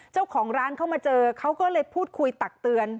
เจ้าของร้านเข้ามาเจอเขาก็เลยพูดคุยตักเตือน